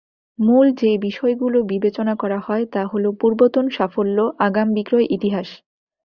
মূল যে বিষয়গুলো বিবেচনা করা হয় তা হলো পূর্বতন সাফল্য, আগাম বিক্রয় ইতিহাস।